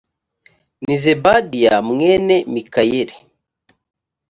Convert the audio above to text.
ni zebadiya mwene mikayeli